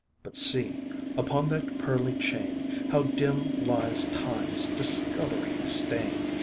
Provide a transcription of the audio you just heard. But see upon that pearly chain How dim lies Time's discolouring stain!